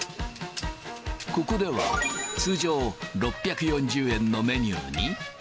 ここでは通常、６４０円のメニューに。